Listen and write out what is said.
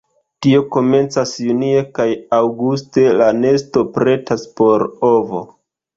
Tio komencas junie kaj aŭguste la nesto pretas por ovo.